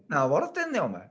てんねんお前。